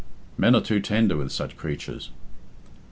"Men are too tender with such creatures."